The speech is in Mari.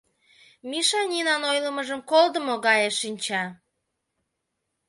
Миша Нинан ойлымыжым колдымо гае шинча.